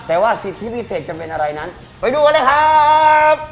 แต่ว่าสิทธิพิเศษจะเป็นอะไรนั้นไปดูกันเลยครับ